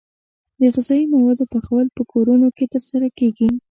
د غذايي موادو پخول په کورونو کې ترسره کیږي.